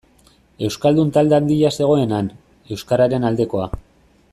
Euskaldun talde handia zegoen han, euskararen aldekoa.